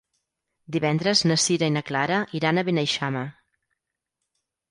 Divendres na Sira i na Clara iran a Beneixama.